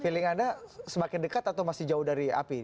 feeling anda semakin dekat atau masih jauh dari api